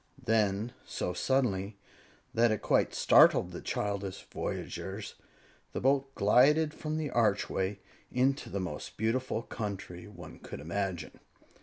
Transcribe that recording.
Then, so suddenly that it quite startled the childish voyagers, the boat glided from the archway into the most beautiful country one could imagine.